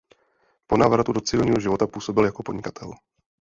Po návratu do civilního života působil jako podnikatel.